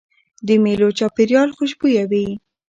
د مېلو چاپېریال خوشبويه وي.